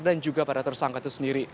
dan juga pada tersangka itu sendiri